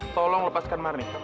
tolong lepaskan marni